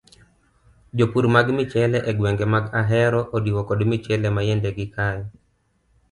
Jopur mag michele e gwenge mag ahero odiwo kod michele mayande gikayo.